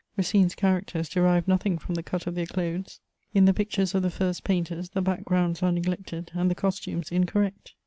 Racine's characters derive nothing from the cut of their clothes: in the pictures of the first painters, the back grounds are neglected and the costumes incorrect.